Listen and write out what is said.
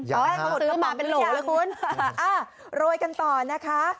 อย่างฮะซื้อมาเป็นโหลหรือยังโรยกันต่อนะคะ